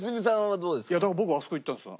僕あそこ行ったんです。